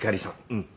うん。